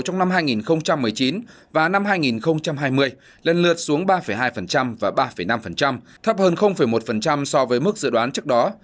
trong năm hai nghìn một mươi chín và năm hai nghìn hai mươi lần lượt xuống ba hai và ba năm thấp hơn một so với mức dự đoán trước đó